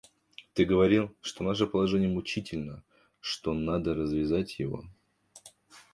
Ты говорил, что наше положение мучительно, что надо развязать его.